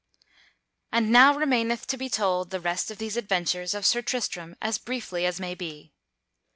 _ And now remaineth to be told the rest of these adventures of Sir Tristram as briefly as may be.